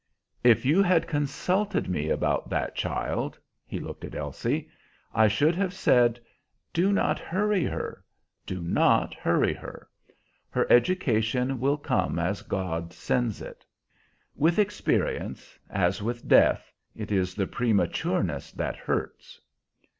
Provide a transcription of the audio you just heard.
"If you had consulted me about that child," he looked at Elsie, "I should have said, 'Do not hurry her do not hurry her. Her education will come as God sends it.' With experience, as with death, it is the prematureness that hurts."